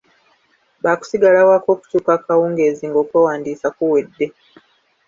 Baakusigala waka okutuuka akawungeezi ng'okwewandiisa kuwedde.